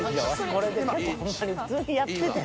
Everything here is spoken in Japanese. ［これで結構ほんまに普通にやっててんて］